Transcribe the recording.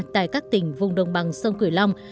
tại các tỉnh vùng đông bằng sông cửa long